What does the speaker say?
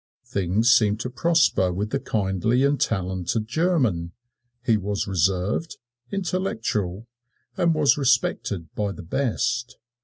Things seemed to prosper with the kindly and talented German. He was reserved, intellectual, and was respected by the best.